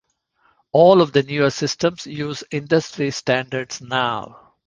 All of the newer systems use industry standards now.